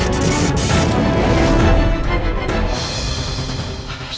aku akan menangkanmu